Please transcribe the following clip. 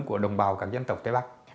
của đồng bào các dân tộc tây bắc